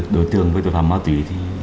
đối tượng với tội phạm ma túy